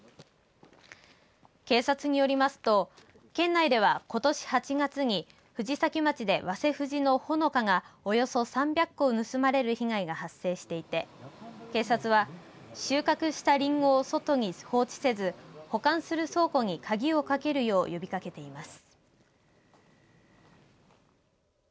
警察によりますと県内では、ことし８月に藤崎町で、わせふじのほのかがおよそ３００個盗まれる被害が発生していて警察は収穫したりんごを外に放置せず保管する倉庫に鍵をかけるよう呼びかけています。